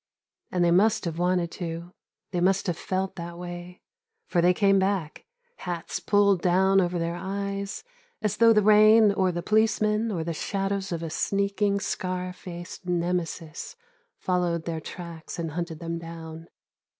And they must have wanted to, they must have felt that way; for they came back, hats pulled down over their eyes as though the rain or the policemen or the shadows of a sneaking scar face Nemesis followed their tracks and hunted them down.